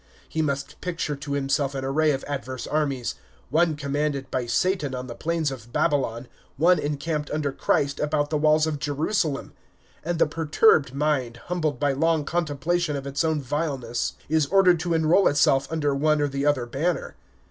He must picture to himself an array of adverse armies, one commanded by Satan on the plains of Babylon, one encamped under Christ about the walls of Jerusalem; and the perturbed mind, humbled by long contemplation of its own vileness, is ordered to enroll itself under one or the other banner.